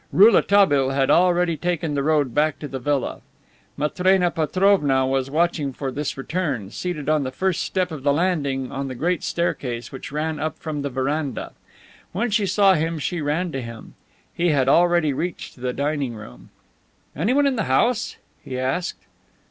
Rouletabille had already taken the road back to the villa. Matrena Petrovna was watching for his return, seated on the first step of the landing on the great staircase which ran up from the veranda. When she saw him she ran to him. He had already reached the dining room. "Anyone in the house?" he asked.